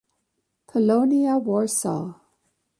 Polonia Warsaw